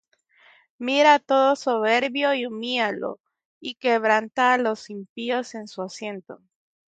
Mira á todo soberbio, y humíllalo, Y quebranta á los impíos en su asiento.